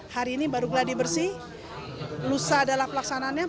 hari ini baru baru dibersih lusa adalah pelaksanaannya